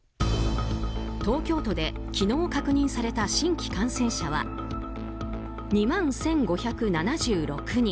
東京都で昨日確認された新規感染者は２万１５７６人。